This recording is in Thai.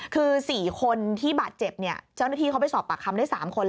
คือ๔คนที่บาดเจ็บเนี่ยเจ้าหน้าที่เขาไปสอบปากคำได้๓คน